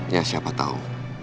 ya siapa tau